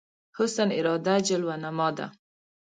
حسن اراده جلوه نما ده